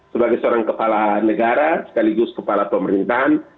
sebagai seorang kepala negara sekaligus kepala pemerintahan